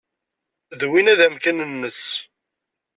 D win ay d amkan-nnes.